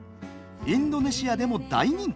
インドネシアでも大人気。